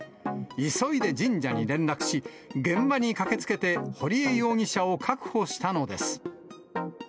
急いで神社に連絡し、現場に駆けつけて堀江容疑者を確保したのです。